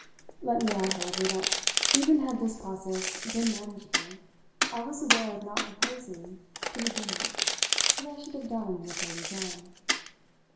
Let me add, however, that even had this process been manageable I was aware of not proposing to begin it till I should have done with Lady John.